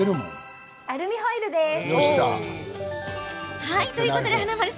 アルミホイルです。